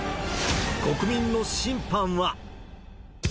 国民の審判は。